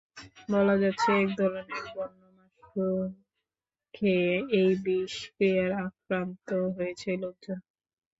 বলা হচ্ছে, একধরনের বন্য মাশরুম খেয়ে এই বিষক্রিয়ায় আক্রান্ত হয়েছে লোকজন।